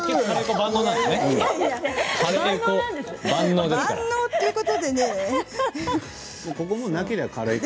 万能ということで。